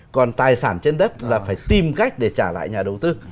còn tài sản trên đất là phải tìm cách để trả lại nhà đầu tư